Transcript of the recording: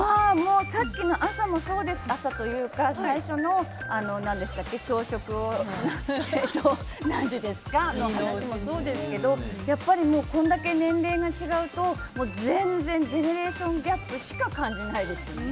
さっきの朝もそうですけど最初の朝食を何時ですか？の話もそうですけどやっぱり、これだけ年齢が違うと全然、ジェネレーションギャップしか感じないですね。